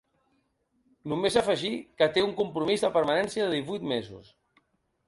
Només afegir que té un compromís de permanència de divuit mesos.